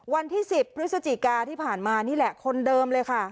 วันที่๑๐พฤศจิกาที่ผ่านมานี่แหละคนเดิมเลยค่ะ